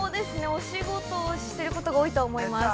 お仕事をしてることが多いと思います。